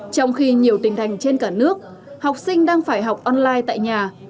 trong khi nhiều tỉnh thành trên cả nước học sinh đang phải học online tại nhà